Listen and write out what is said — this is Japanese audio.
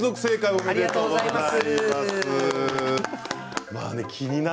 ありがとうございます。